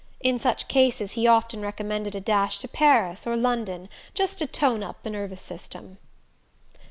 In such cases he often recommended a dash to Paris or London, just to tone up the nervous system.